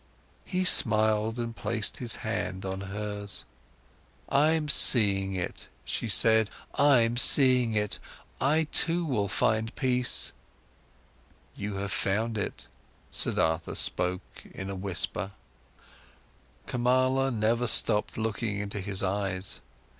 He smiled and placed his hand on hers. "I'm seeing it," she said, "I'm seeing it. I too will find peace." "You have found it," Siddhartha spoke in a whisper. Kamala never stopped looking into his eyes.